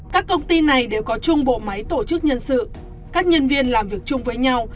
các công ty này đều có chung bộ máy tổ chức nhân sự các nhân viên làm việc chung với nhau